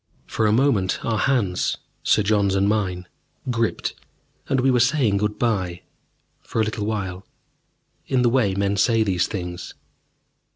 For a moment our hands, Sir John's and mine, gripped, and we were saying good bye for a little while in the way men say these things.